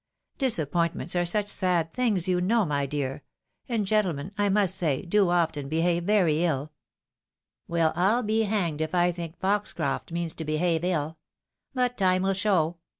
Disappointments are such sad things, you know, my dear — ^and gentlemen, I must say, do often behave very Ul." " Well, I'll be hanged if I think Foxcroft means to behave ill; but time wiU show!"